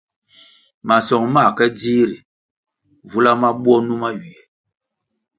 Masong mā ke dzih, ri vula mabwo numa ywiè.